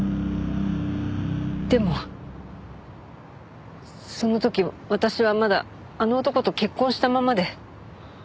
でもその時私はまだあの男と結婚したままで。